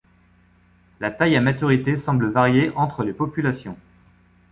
La taille à maturité semble varier entre les populations.